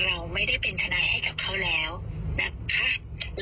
เราไม่ได้เป็นทนายให้กับเขาแล้วนะคะ